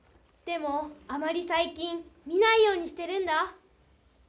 でもあまり最近見ないようにしてるんだ。